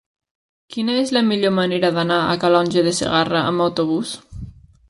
Quina és la millor manera d'anar a Calonge de Segarra amb autobús?